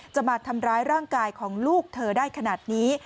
จะมาทำร้ายร่างกายของลูกเธอได้ขนาดนี้